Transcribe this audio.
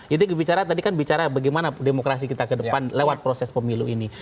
jadi bicara tadi kan bicara bagaimana demokrasi kita kedepan lewat proses pemilu ini